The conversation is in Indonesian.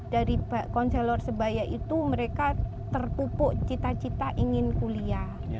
dari konselor sebaya itu mereka terpupuk cita cita ingin kuliah